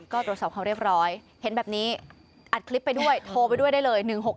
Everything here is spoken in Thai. ก็ตรวจสอบเขาเรียบร้อยเห็นแบบนี้อัดคลิปไปด้วยโทรไปด้วยได้เลย๑๖๖